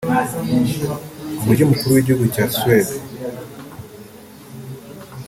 umujyi mukuru w’igihugu cya Suede